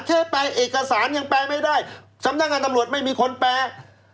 แค่ไปเอกสารยังไปไม่ได้สำนักงานตำรวจไม่มีคนแปล